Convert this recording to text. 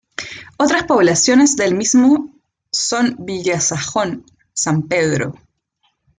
Otras poblaciones del mismo son Villa Zanjón, San Pedro.